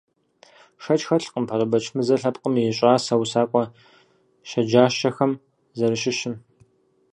Шэч хэлъкъым ПащӀэ Бэчмырзэ лъэпкъым и щӀасэ усакӀуэ щэджащэхэм зэращыщым.